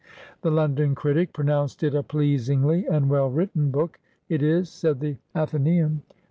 The London Critic pronounced it a "pleasingly and well written book." " It is," said the Athenceum.